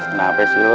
kenapa sih lo